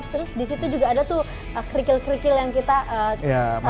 terus di situ juga ada tuh kerikil kerikil yang kita pakai